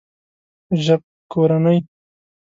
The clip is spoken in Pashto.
ژبکورنۍ